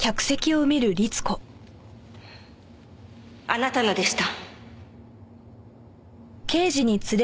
あなたのでした。